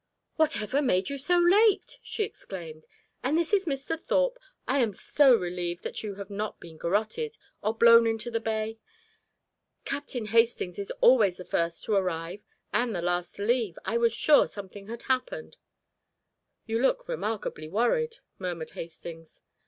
"Whatever made you so late?" she exclaimed. "And this is Mr. Thorpe? I am so relieved that you have not been garotted, or blown into the bay. Captain Hastings is always the first to arrive and the last to leave I was sure something had happened." "You look remarkably worried," murmured Hastings.